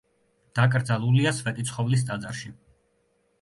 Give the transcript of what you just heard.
დაკრძალულია სვეტიცხოვლის ტაძარში.